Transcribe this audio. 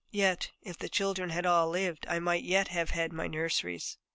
Yet, if the children had all lived, I might yet have had my nurseries.